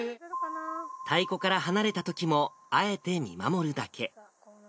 太鼓から離れたときも、あえて見守るだけ。